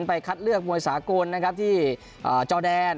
ไปคัดเลือกมวยสาาคมที่จ้อแดน